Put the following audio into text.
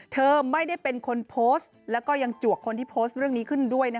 เธอไม่ได้เป็นคนโพสต์แล้วก็ยังจวกคนที่โพสต์เรื่องนี้ขึ้นด้วย